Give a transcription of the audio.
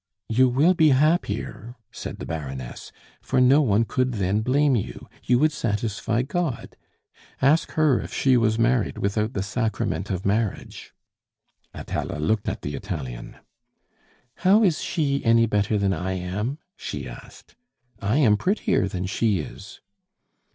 "You will be happier," said the Baroness, "for no one could then blame you. You would satisfy God! Ask her if she was married without the sacrament of marriage!" Atala looked at the Italian. "How is she any better than I am?" she asked. "I am prettier than she is."